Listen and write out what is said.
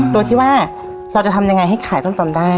โดยที่ว่าเราจะทำยังไงให้ขายส้มตำได้